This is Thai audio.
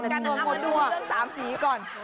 เอามาดูเรื่อง๓สีก่อน